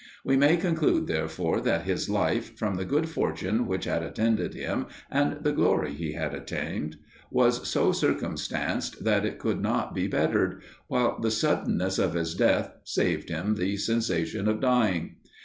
We may conclude therefore that his life, from the good fortune which had attended him and the glory he had obtained, was so circumstanced that it could not be bettered, while the suddenness of his death saved him the sensation of dying.